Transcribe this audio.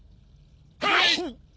はい！